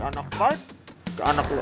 ini tuh pas buat bre